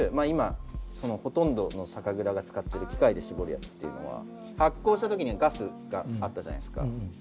今ほとんどの酒蔵が使ってる機械で搾るやつっていうのは発酵した時にガスがあったじゃないですか。